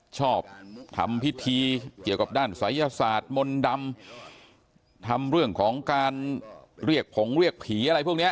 ชอบทำพิธีเกี่ยวกับด้านศัยศาสตร์มนต์ดำทำเรื่องของการเรียกผงเรียกผีอะไรพวกเนี้ย